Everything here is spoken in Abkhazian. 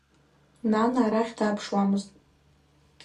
Нана арахь дааԥшуамызт.